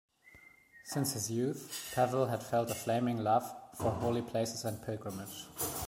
Since his youth Pavel had felt a flaming love for holy places and pilgrimage.